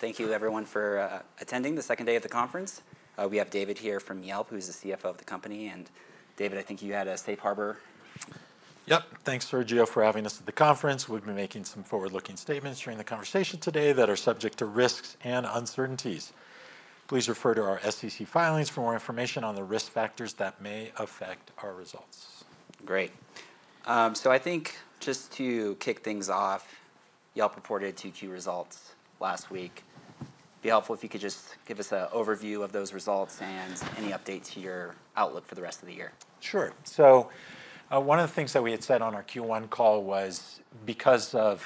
Thank you, everyone, for attending the second day of the conference. We have David here from Yelp, who is the CFO of the company. David, I think you had a Safe Harbor? Yep. Thanks for having us at the conference. We'll be making some forward-looking statements during the conversation today that are subject to risks and uncertainties. Please refer to our SEC filings for more information on the Risk Factors that may affect our results. Great. I think just to kick things off, Yelp reported two key results last week. It'd be helpful if you could just give us an overview of those results and any updates to your outlook for the rest of the year. Sure. One of the things that we had said on our Q1 call was because of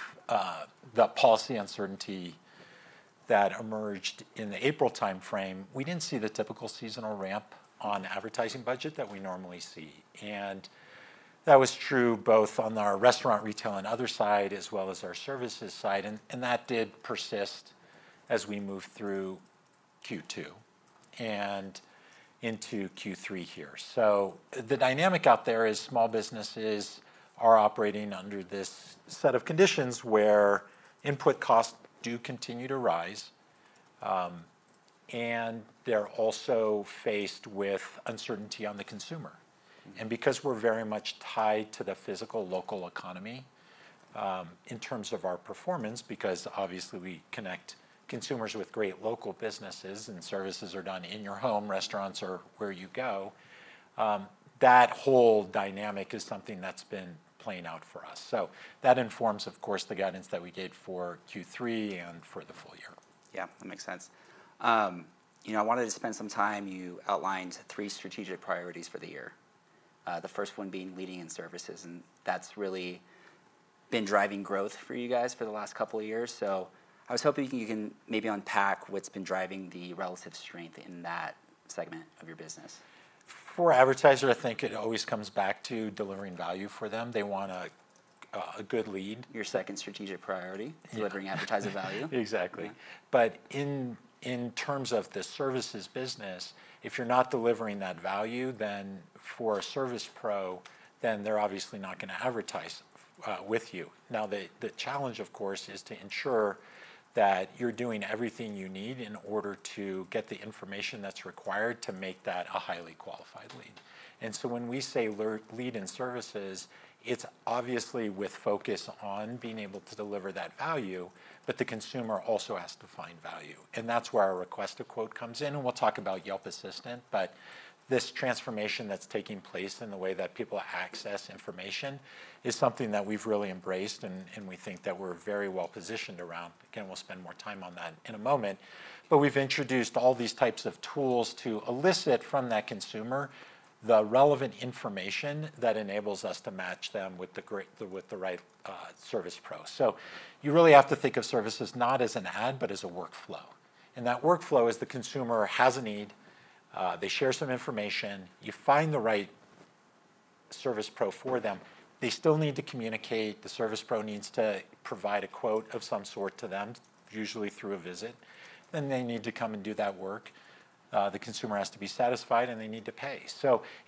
the policy uncertainty that emerged in the April time frame, we didn't see the typical seasonal ramp on advertising budget that we normally see. That was true both on our restaurant, retail, and other side, as well as our services side. That did persist as we moved through Q2 and into Q3 here. The dynamic out there is small businesses are operating under this set of conditions where input costs do continue to rise. They're also faced with uncertainty on the consumer. Because we're very much tied to the physical local economy in terms of our performance, obviously we connect consumers with great local businesses and services are done in your home, restaurants are where you go. That whole dynamic is something that's been playing out for us. That informs, of course, the guidance that we gave for Q3 and for the full year. Yeah, that makes sense. I wanted to spend some time. You outlined three strategic priorities for the year, the first one being leading in services. That's really been driving growth for you guys for the last couple of years. I was hoping you can maybe unpack what's been driving the relative strength in that segment of your business. For advertisers, I think it always comes back to delivering value for them. They want a good lead. Your second strategic priority is delivering advertising value. Exactly. In terms of the services business, if you're not delivering that value, then for a service pro, they're obviously not going to advertise with you. The challenge, of course, is to ensure that you're doing everything you need in order to get the information that's required to make that a highly qualified lead. When we say lead in services, it's obviously with focus on being able to deliver that value. The consumer also has to find value. That's where our Request-a-Quote comes in. We'll talk about Yelp Assistant. This transformation that's taking place in the way that people access information is something that we've really embraced. We think that we're very well positioned around that. We'll spend more time on that in a moment. We've introduced all these types of tools to elicit from that consumer the relevant information that enables us to match them with the right service pro. You really have to think of services not as an ad, but as a workflow. That workflow is the consumer has a need. They share some information. You find the right service pro for them. They still need to communicate. The service pro needs to provide a quote of some sort to them, usually through a visit. They need to come and do that work. The consumer has to be satisfied, and they need to pay.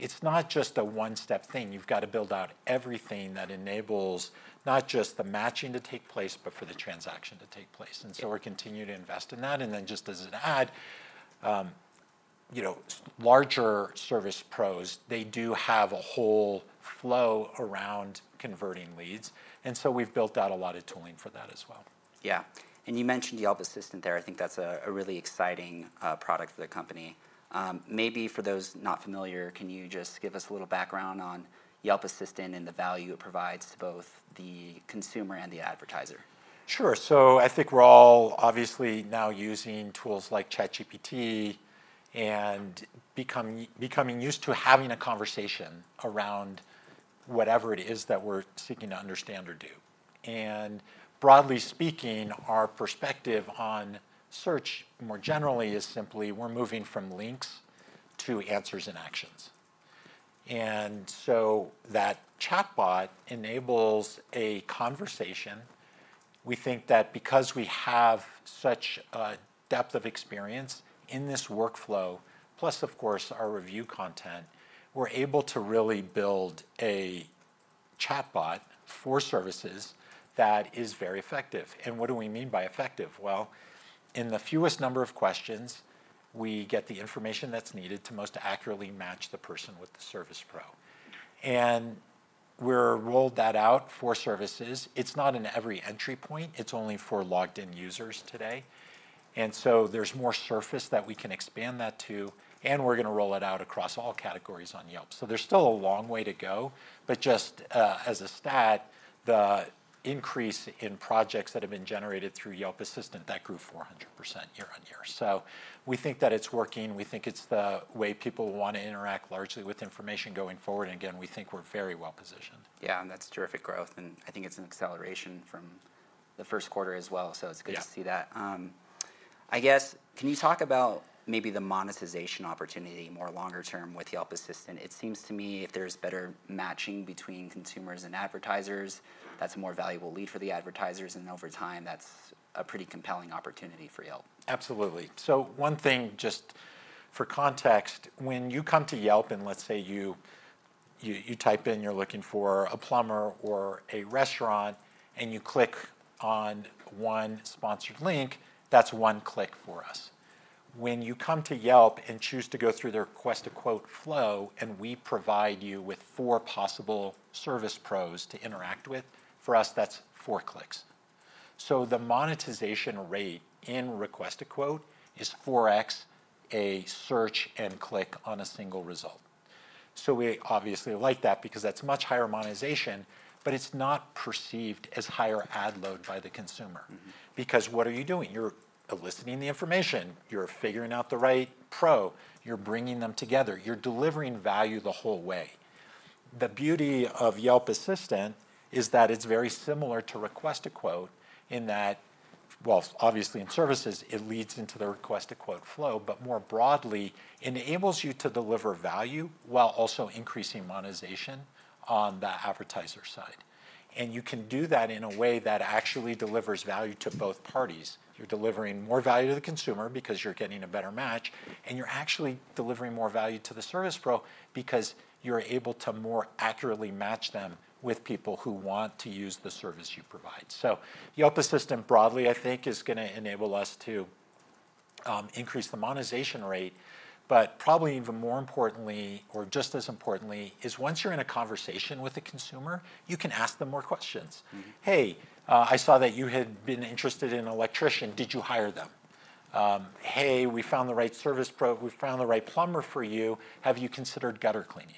It's not just a one-step thing. You've got to build out everything that enables not just the matching to take place, but for the transaction to take place. We continue to invest in that. Just as an ad, larger service pros, they do have a whole flow around converting leads. We've built out a lot of tooling for that as well. You mentioned Yelp Assistant there. I think that's a really exciting product for the company. Maybe for those not familiar, can you just give us a little background on Yelp Assistant and the value it provides to both the consumer and the advertiser? Sure. I think we're all obviously now using tools like ChatGPT and becoming used to having a conversation around whatever it is that we're seeking to understand or do. Broadly speaking, our perspective on search more generally is simply we're moving from links to answers and actions. That chatbot enables a conversation. We think that because we have such a depth of experience in this workflow, plus, of course, our review content, we're able to really build a chatbot for services that is very effective. What do we mean by effective? In the fewest number of questions, we get the information that's needed to most accurately match the person with the service pro. We've rolled that out for services. It's not in every entry point. It's only for logged-in users today. There's more surface that we can expand that to. We're going to roll it out across all categories on Yelp. There's still a long way to go. Just as a stat, the increase in projects that have been generated through Yelp Assistant grew 400% year on year. We think that it's working. We think it's the way people want to interact largely with information going forward. We think we're very well positioned. Yeah, that's terrific growth. I think it's an acceleration from the first quarter as well. It's good to see that. I guess, can you talk about maybe the monetization opportunity more longer term with Yelp Assistant? It seems to me if there's better matching between consumers and advertisers, that's a more valuable lead for the advertisers. Over time, that's a pretty compelling opportunity for Yelp. Absolutely. One thing just for context, when you come to Yelp and let's say you type in you're looking for a plumber or a restaurant and you click on one sponsored link, that's one click for us. When you come to Yelp and choose to go through their Request a Quote flow and we provide you with four possible service pros to interact with, for us, that's four clicks. The monetization rate in Request a Quote is 4x a search and click on a single result. We obviously like that because that's much higher monetization, but it's not perceived as higher ad load by the consumer. What are you doing? You're eliciting the information. You're figuring out the right pro. You're bringing them together. You're delivering value the whole way. The beauty of Yelp Assistant is that it's very similar to Request a Quote in that, in services, it leads into the Request a Quote flow. More broadly, it enables you to deliver value while also increasing monetization on the advertiser side. You can do that in a way that actually delivers value to both parties. You're delivering more value to the consumer because you're getting a better match, and you're actually delivering more value to the service pro because you're able to more accurately match them with people who want to use the service you provide. Yelp Assistant broadly, I think, is going to enable us to increase the monetization rate. Probably even more importantly, or just as importantly, is once you're in a conversation with a consumer, you can ask them more questions. Hey, I saw that you had been interested in an electrician. Did you hire them? Hey, we found the right service pro. We found the right plumber for you. Have you considered gutter cleaning?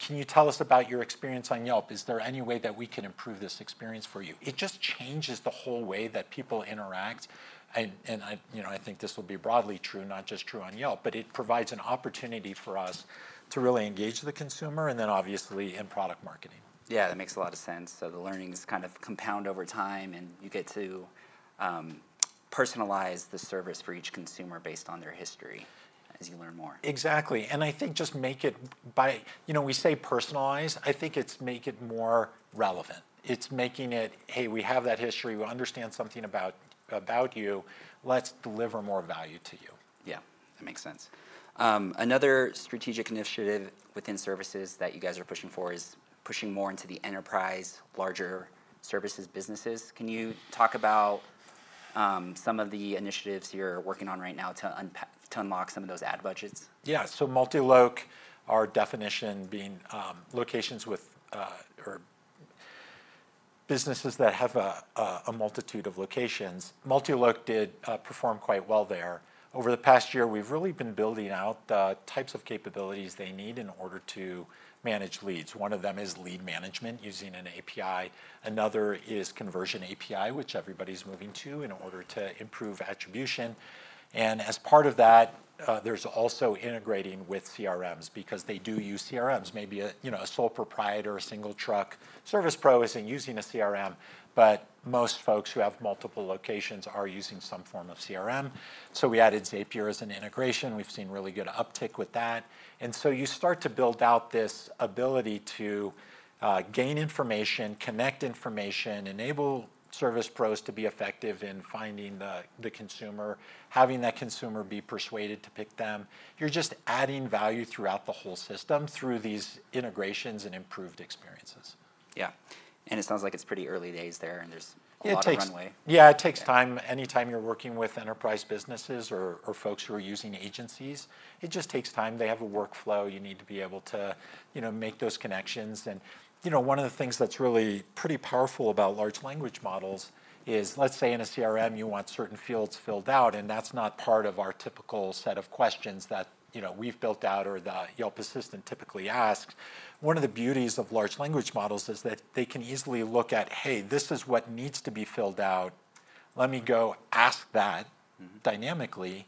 Can you tell us about your experience on Yelp? Is there any way that we can improve this experience for you? It just changes the whole way that people interact. I think this will be broadly true, not just true on Yelp. It provides an opportunity for us to really engage the consumer and then obviously in product marketing. Yeah, that makes a lot of sense. The learnings kind of compound over time, and you get to personalize the service for each consumer based on their history as you learn more. Exactly. I think just make it by, you know, we say personalize. I think it's make it more relevant. It's making it, hey, we have that history. We understand something about you. Let's deliver more value to you. Yeah, that makes sense. Another strategic initiative within services that you guys are pushing for is pushing more into the enterprise, larger services businesses. Can you talk about some of the initiatives you're working on right now to unlock some of those ad budgets? Yeah, so multi-location, our definition being locations with businesses that have a multitude of locations. Multi-location did perform quite well there. Over the past year, we've really been building out the types of capabilities they need in order to manage leads. One of them is lead management using an API. Another is conversion API, which everybody's moving to in order to improve attribution. As part of that, there's also integrating with CRMs because they do use CRMs. Maybe a sole proprietor, a single truck service pro isn't using a CRM, but most folks who have multiple locations are using some form of CRM. We added Zapier as an integration. We've seen really good uptick with that. You start to build out this ability to gain information, connect information, enable service pros to be effective in finding the consumer, having that consumer be persuaded to pick them. You're just adding value throughout the whole system through these integrations and improved experiences. It sounds like it's pretty early days there, and there's a long runway. Yeah, it takes time. Anytime you're working with enterprise businesses or folks who are using agencies, it just takes time. They have a workflow. You need to be able to make those connections. One of the things that's really pretty powerful about large language models is, let's say in a CRM, you want certain fields filled out. That's not part of our typical set of questions that we've built out or that Yelp Assistant typically asks. One of the beauties of large language models is that they can easily look at, hey, this is what needs to be filled out. Let me go ask that dynamically.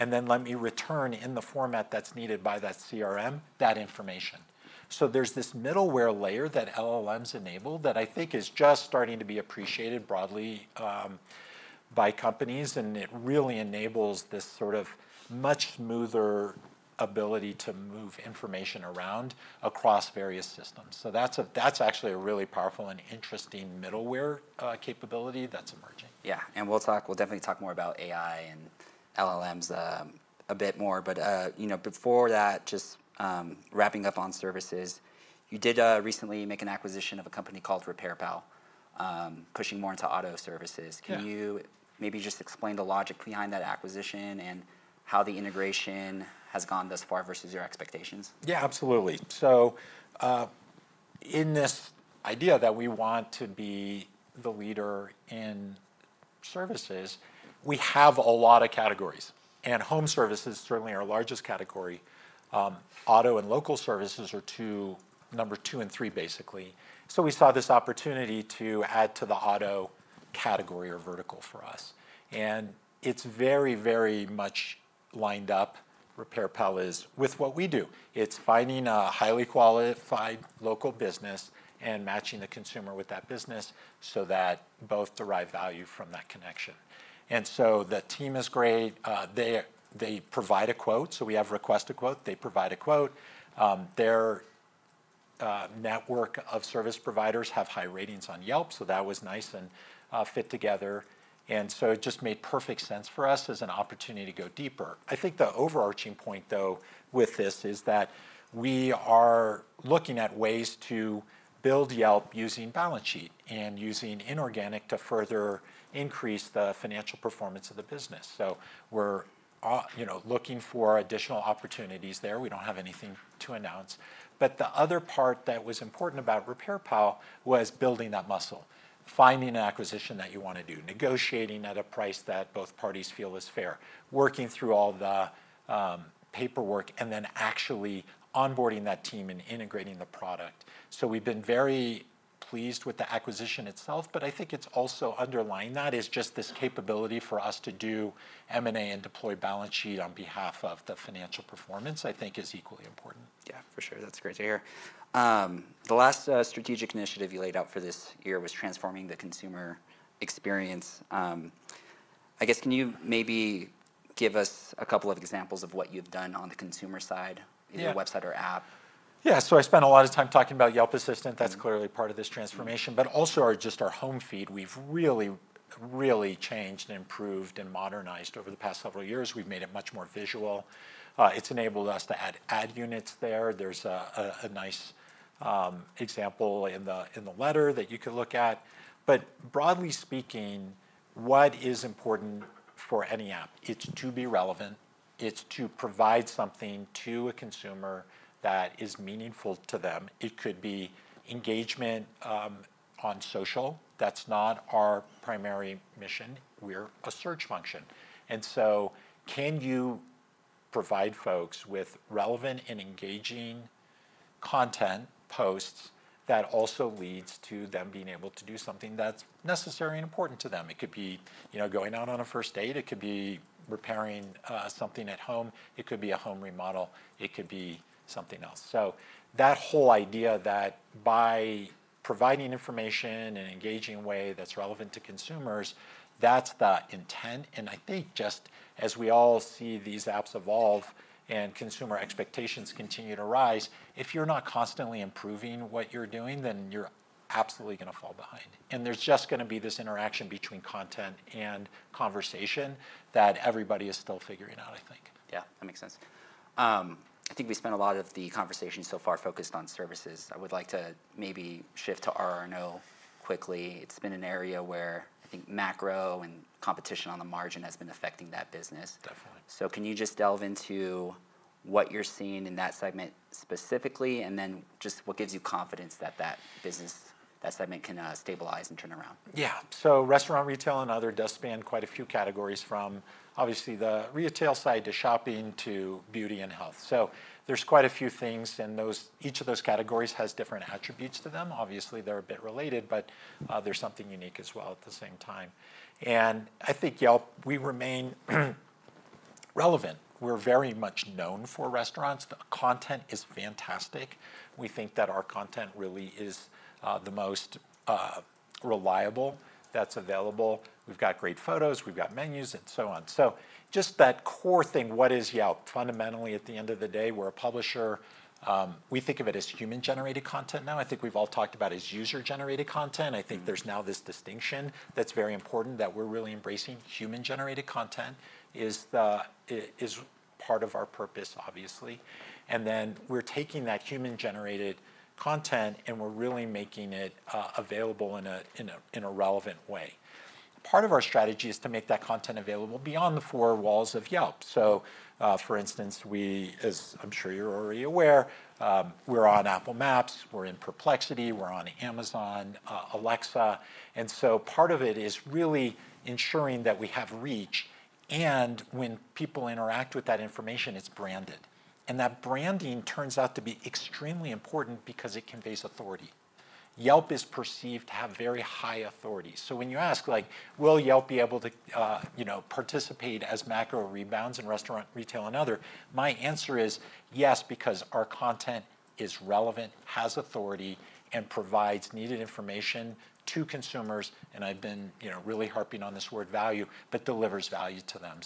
Let me return in the format that's needed by that CRM that information. There's this middleware layer that large language models enable that I think is just starting to be appreciated broadly by companies. It really enables this much smoother ability to move information around across various systems. That's actually a really powerful and interesting middleware capability that's emerging. Yeah. We'll definitely talk more about AI and LLMs a bit more. Before that, just wrapping up on services, you did recently make an acquisition of a company called RepairPal, pushing more into auto services. Can you maybe just explain the logic behind that acquisition and how the integration has gone thus far versus your expectations? Yeah, absolutely. In this idea that we want to be the leader in services, we have a lot of categories. Home services is certainly our largest category. Auto and local services are number two and three, basically. We saw this opportunity to add to the auto category or vertical for us. It is very, very much lined up, RepairPal is, with what we do. It's finding a highly qualified local business and matching the consumer with that business so that both derive value from that connection. The team is great. They provide a quote. We have Request a Quote. They provide a quote. Their network of service providers have high ratings on Yelp. That was nice and fit together. It just made perfect sense for us as an opportunity to go deeper. I think the overarching point with this is that we are looking at ways to build Yelp using balance sheet and using inorganic to further increase the financial performance of the business. We are looking for additional opportunities there. We don't have anything to announce. The other part that was important about RepairPal was building that muscle, finding an acquisition that you want to do, negotiating at a price that both parties feel is fair, working through all the paperwork, and then actually onboarding that team and integrating the product. We have been very pleased with the acquisition itself. I think underlying that is just this capability for us to do M&A and deploy balance sheet on behalf of the financial performance, I think, is equally important. Yeah, for sure. That's great to hear. The last strategic initiative you laid out for this year was transforming the consumer experience. I guess, can you maybe give us a couple of examples of what you've done on the consumer side, either website or app? Yeah, so I spent a lot of time talking about Yelp Assistant. That's clearly part of this transformation. Also, just our home feed. We've really, really changed and improved and modernized over the past several years. We've made it much more visual. It's enabled us to add ad units there. There's a nice example in the letter that you could look at. Broadly speaking, what is important for any app? It's to be relevant. It's to provide something to a consumer that is meaningful to them. It could be engagement on social. That's not our primary mission. We're a search function. Can you provide folks with relevant and engaging content, posts that also lead to them being able to do something that's necessary and important to them? It could be going out on a first date. It could be repairing something at home. It could be a home remodel. It could be something else. That whole idea that by providing information in an engaging way that's relevant to consumers, that's the intent. I think just as we all see these apps evolve and consumer expectations continue to rise, if you're not constantly improving what you're doing, then you're absolutely going to fall behind. There's just going to be this interaction between content and conversation that everybody is still figuring out, I think. Yeah, that makes sense. I think we spent a lot of the conversation so far focused on services. I would like to maybe shift to RR&O quickly. It's been an area where I think macro and competition on the margin has been affecting that business. Definitely. Can you just delve into what you're seeing in that segment specifically? What gives you confidence that that business, that segment can stabilize and turn around? Yeah, so restaurant, retail, and other does span quite a few categories from obviously the retail side to shopping to beauty and health. There's quite a few things, and each of those categories has different attributes to them. Obviously, they're a bit related, but there's something unique as well at the same time. I think Yelp, we remain relevant. We're very much known for restaurants. Content is fantastic. We think that our content really is the most reliable that's available. We've got great photos, we've got menus, and so on. Just that core thing, what is Yelp? Fundamentally, at the end of the day, we're a publisher. We think of it as human-generated content now. I think we've all talked about it as user-generated content. I think there's now this distinction that's very important that we're really embracing. Human-generated content is part of our purpose, obviously. We're taking that human-generated content and we're really making it available in a relevant way. Part of our strategy is to make that content available beyond the four walls of Yelp. For instance, as I'm sure you're already aware, we're on Apple Maps, we're in Perplexity, we're on Amazon Alexa. Part of it is really ensuring that we have reach, and when people interact with that information, it's branded. That branding turns out to be extremely important because it conveys authority. Yelp is perceived to have very high authority. When you ask, like, will Yelp be able to participate as macro rebounds in restaurant, retail, and other, my answer is yes, because our content is relevant, has authority, and provides needed information to consumers. I've been really harping on this word value, but delivers value to them.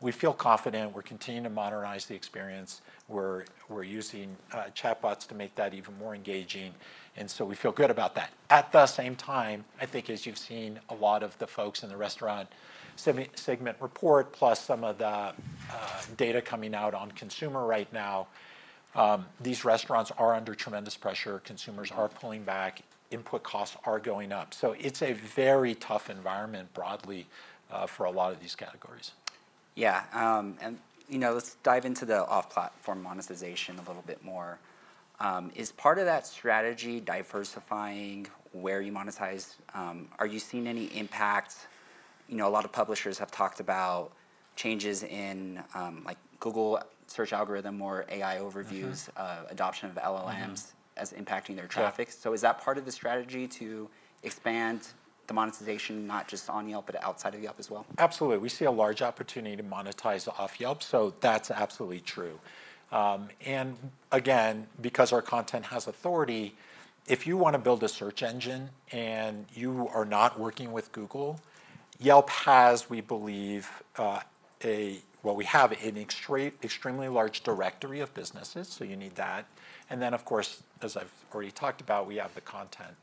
We feel confident. We're continuing to modernize the experience. We're using chatbots to make that even more engaging, and we feel good about that. At the same time, I think as you've seen a lot of the folks in the restaurant segment report, plus some of the data coming out on consumer right now, these restaurants are under tremendous pressure. Consumers are pulling back. Input costs are going up. It's a very tough environment broadly for a lot of these categories. Yeah. Let's dive into the off-platform monetization a little bit more. Is part of that strategy diversifying where you monetize? Are you seeing any impacts? A lot of publishers have talked about changes in Google search algorithm or AI overviews, adoption of LLMs as impacting their traffic. Is that part of the strategy to expand the monetization, not just on Yelp, but outside of Yelp as well? Absolutely. We see a large opportunity to monetize off Yelp. That's absolutely true. Again, because our content has authority, if you want to build a search engine and you are not working with Google, Yelp has, we believe, an extremely large directory of businesses. You need that. Of course, as I've already talked about, we have the content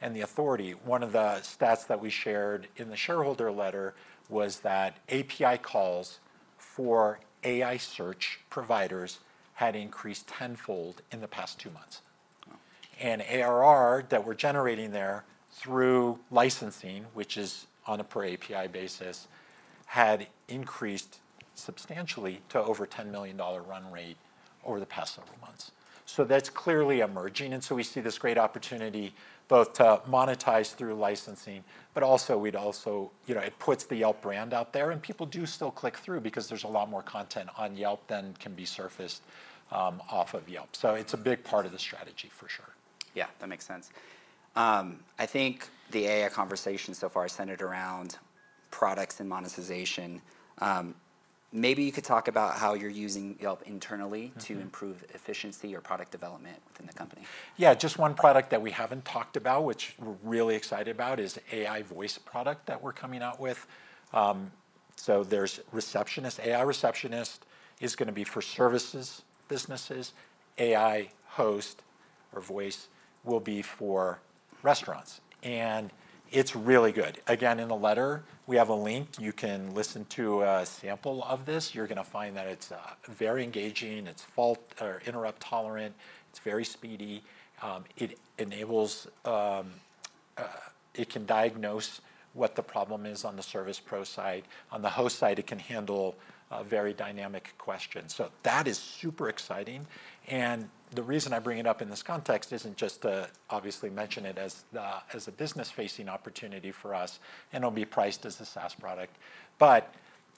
and the authority. One of the stats that we shared in the shareholder letter was that API calls for AI search providers had increased tenfold in the past two months. ARR that we're generating there through licensing, which is on a per API basis, had increased substantially to over a $10 million run rate over the past several months. That's clearly emerging. We see this great opportunity both to monetize through licensing, but also it puts the Yelp brand out there. People do still click through because there's a lot more content on Yelp than can be surfaced off of Yelp. It's a big part of the strategy for sure. Yeah, that makes sense. I think the AI conversation so far is centered around products and monetization. Maybe you could talk about how you're using Yelp internally to improve efficiency or product development within the company. Yeah, just one product that we haven't talked about, which we're really excited about, is the AI voice product that we're coming out with. There's receptionist. AI receptionist is going to be for services businesses. AI host or voice will be for restaurants. It's really good. Again, in the letter, we have a link. You can listen to a sample of this. You're going to find that it's very engaging. It's fault or interrupt tolerant. It's very speedy. It enables, it can diagnose what the problem is on the service pro side. On the host side, it can handle very dynamic questions. That is super exciting. The reason I bring it up in this context isn't just to obviously mention it as a business-facing opportunity for us. It'll be priced as a SaaS product.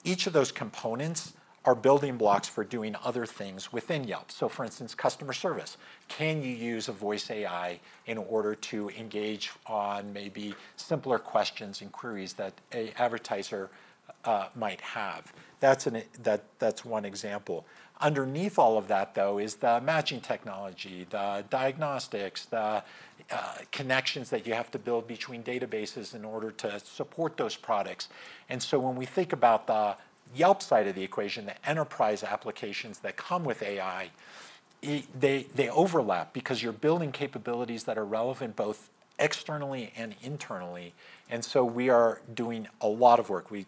Each of those components are building blocks for doing other things within Yelp. For instance, customer service. Can you use a voice AI in order to engage on maybe simpler questions and queries that an advertiser might have? That's one example. Underneath all of that, though, is the matching technology, the diagnostics, the connections that you have to build between databases in order to support those products. When we think about the Yelp side of the equation, the enterprise applications that come with AI, they overlap because you're building capabilities that are relevant both externally and internally. We are doing a lot of work. We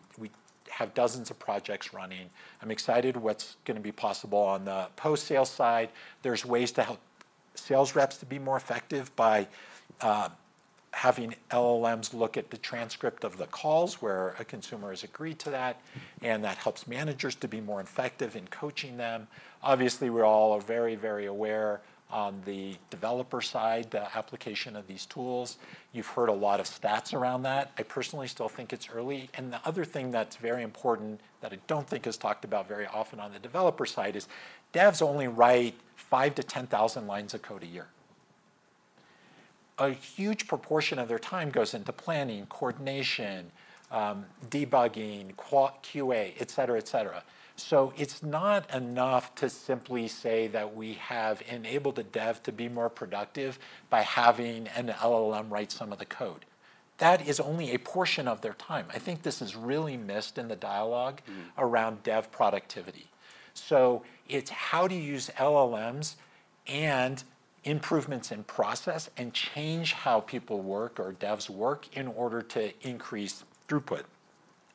have dozens of projects running. I'm excited what's going to be possible on the post-sale side. There's ways to help sales reps to be more effective by having LLMs look at the transcript of the calls where a consumer has agreed to that. That helps managers to be more effective in coaching them. Obviously, we all are very, very aware on the developer side, the application of these tools. You've heard a lot of stats around that. I personally still think it's early. The other thing that's very important that I don't think is talked about very often on the developer side is devs only write 5,000 to 10,000 lines of code a year. A huge proportion of their time goes into planning, coordination, debugging, QA, et cetera, et cetera. It's not enough to simply say that we have enabled a dev to be more productive by having an LLM write some of the code. That is only a portion of their time. I think this is really missed in the dialogue around dev productivity. It's how to use large language models (LLMs) and improvements in process and change how people work or devs work in order to increase throughput.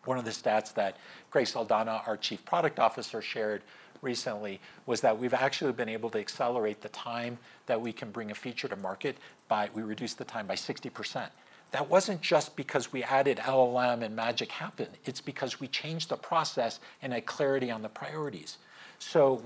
One of the stats that Craig Saldanha, our Chief Product Officer, shared recently was that we've actually been able to accelerate the time that we can bring a feature to market by we reduced the time by 60%. That wasn't just because we added LLM and magic happened. It's because we changed the process and had clarity on the priorities.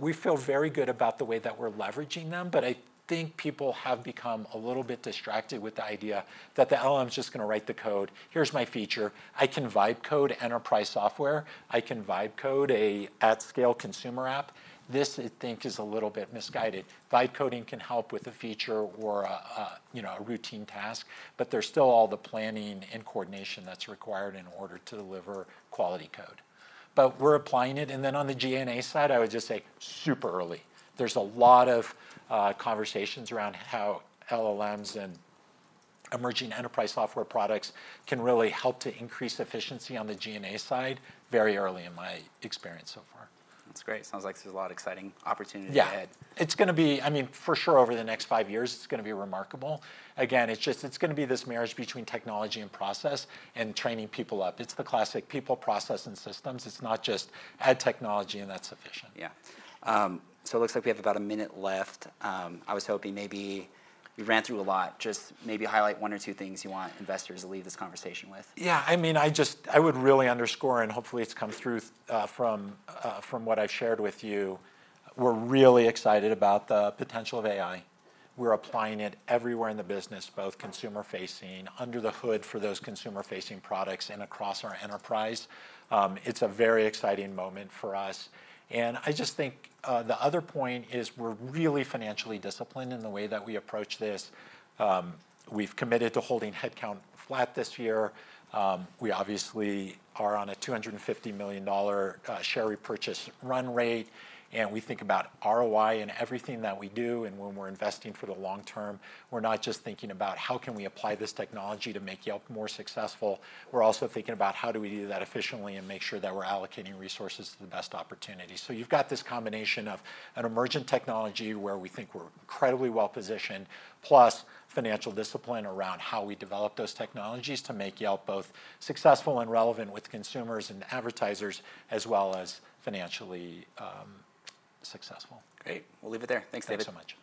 We feel very good about the way that we're leveraging them. I think people have become a little bit distracted with the idea that the LLM is just going to write the code. Here's my feature. I can vibe code enterprise software. I can vibe code an at-scale consumer app. This, I think, is a little bit misguided. Vibe coding can help with a feature or a routine task. There's still all the planning and coordination that's required in order to deliver quality code. We're applying it. On the G&A side, I would just say super early. There's a lot of conversations around how LLMs and emerging enterprise software products can really help to increase efficiency on the G&A side very early in my experience so far. That's great. Sounds like there's a lot of exciting opportunities ahead. Yeah, it's going to be, I mean, for sure, over the next five years, it's going to be remarkable. Again, it's just going to be this marriage between technology and process and training people up. It's the classic people, process, and systems. It's not just add technology and that's sufficient. Yeah. It looks like we have about a minute left. I was hoping maybe you ran through a lot. Just maybe highlight one or two things you want investors to leave this conversation with. I would really underscore, and hopefully it comes through from what I've shared with you. We're really excited about the potential of AI. We're applying it everywhere in the business, both consumer-facing, under the hood for those consumer-facing products, and across our enterprise. It's a very exciting moment for us. I just think the other point is we're really financially disciplined in the way that we approach this. We've committed to holding headcount flat this year. We obviously are on a $250 million share repurchase run rate. We think about ROI in everything that we do. When we're investing for the long term, we're not just thinking about how can we apply this technology to make Yelp more successful. We're also thinking about how do we do that efficiently and make sure that we're allocating resources to the best opportunity. You've got this combination of an emergent technology where we think we're incredibly well positioned, plus financial discipline around how we develop those technologies to make Yelp both successful and relevant with consumers and advertisers, as well as financially successful. Great. We'll leave it there. Thanks, David. Thanks so much.